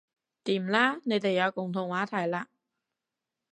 掂啦你哋有共同話題喇